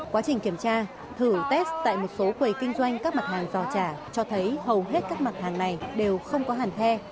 quá trình kiểm tra thử test tại một số quầy kinh doanh các mặt hàng giò trà cho thấy hầu hết các mặt hàng này đều không có hẳn the